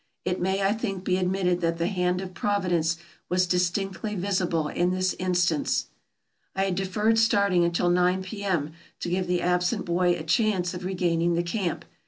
It may, I think, be admitted that the hand of Providence was distinctly visible in this instance. I had deferred starting until nine P.M., to give the absent boy a chance of regaining the camp.